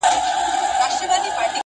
کتابونو کي راغلې دا کيسه ده.!